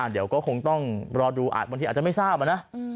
เดี๋ยวก็คงต้องรอดูบางทีอาจจะไม่ทราบนะ